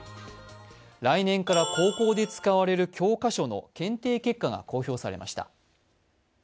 来年から高校で使われる教科書の検定結果が公表されました。